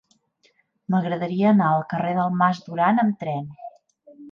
M'agradaria anar al carrer del Mas Duran amb tren.